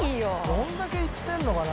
どんだけいってんのかな？